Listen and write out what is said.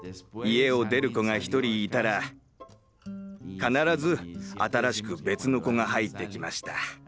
家を出る子が１人いたら必ず新しく別の子が入ってきました。